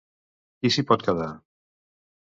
Qui s'hi pot quedar?